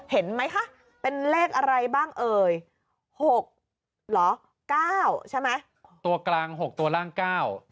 เห็นไหมคะเป็นเลขอะไรบ้างเอ่ย